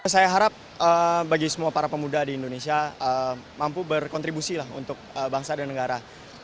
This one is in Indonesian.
saya harap bagi semua para pemuda di indonesia mampu berkontribusi lah untuk bangsa dan negara